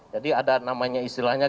jadi ada namanya istilahnya